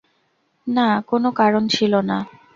না, কোন কারণ ছিল না।